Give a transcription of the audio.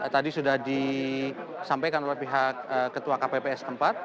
tadi sudah disampaikan oleh pihak ketua kpps keempat